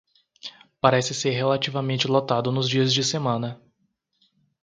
Parece ser relativamente lotado nos dias de semana.